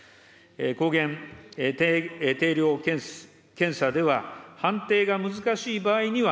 抗原定量検査では、判定が難しい場合には、